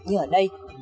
như ở đây